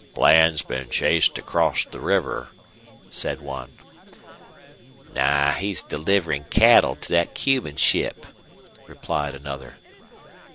"Bland's been chased across the river," said one. "New, he's deliverin' cattle to thet Cuban ship," replied another.